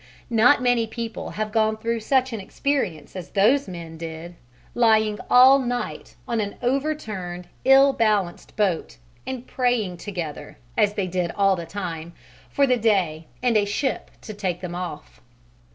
Not many people have gone through such an experience as those men did, lying all night on an overturned, ill balanced boat, and praying together, as they did all the time, for the day and a ship to take them off.